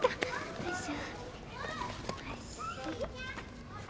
よいしょ。